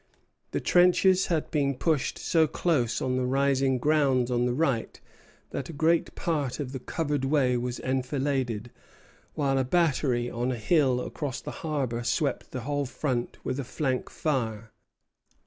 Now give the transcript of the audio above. The trenches had been pushed so close on the rising grounds at the right that a great part of the covered way was enfiladed, while a battery on a hill across the harbor swept the whole front with a flank fire.